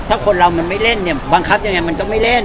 ถ้าคนเรามันไม่เล่นบังคับอย่างไรมันก็มาไม่เล่น